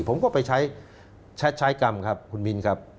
ผมก็ไปใช้กรรมครับคุณมินครับ